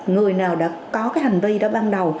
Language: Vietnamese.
người nào đã có cái hành vi đó ban đầu